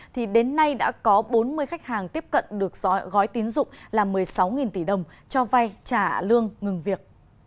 thì đến nay đã có bốn mươi khách hàng tiếp cận được gói tín dụng là một mươi sáu tỷ đồng cho vay trả lương ngừng việc